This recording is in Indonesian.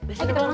mari sester yuk